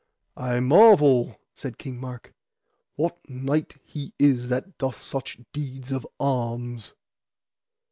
I marvel, said King Mark, what knight he is that doth such deeds of arms.